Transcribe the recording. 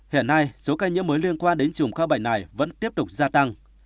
hiện nay số cây nhiễm mới liên quan đến trùng ca bệnh này vẫn tiếp tục gia tăng